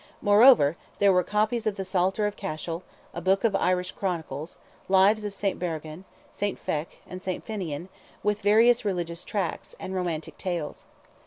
Moreover, there were copies of the Psalter of Cashel, a book of Irish chronicles, lives of St. Beraghan, St. Fiech and St. Finian, with various religious tracts, and romantic tales.